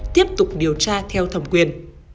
tiếp tục điều tra theo thẩm quyền